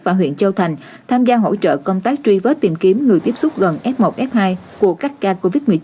và huyện châu thành tham gia hỗ trợ công tác truy vết tìm kiếm người tiếp xúc gần f một f hai của các ca covid một mươi chín